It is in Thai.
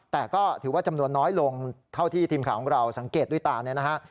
แต่ก็ถือว่าจำนวนน้อยลงเท่าที่ทีมข่าวของเราสังเกตด้วยตาเนี่ยนะฮะ